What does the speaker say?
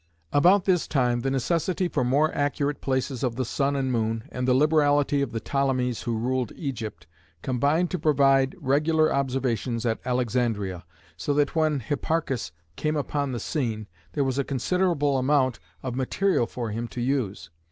About this time the necessity for more accurate places of the sun and moon, and the liberality of the Ptolemys who ruled Egypt, combined to provide regular observations at Alexandria, so that, when Hipparchus came upon the scene, there was a considerable amount of material for him to use.